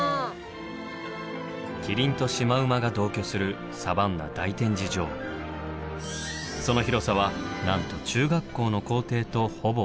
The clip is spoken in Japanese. キリンとシマウマが同居するその広さはなんと中学校の校庭とほぼ同じ。